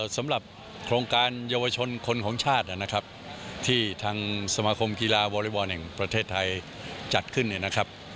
สำหรับโครงการเยาวชนคนของชาตินะครับที่ทางสมาคมกีฬาวอริบอลแห่งประเทศไทยจัดขึ้นเนี่ยนะครับ